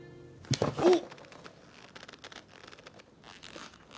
おっ！